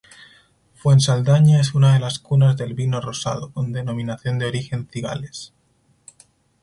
Fuensaldaña es una de las cunas del vino rosado, con denominación de origen Cigales.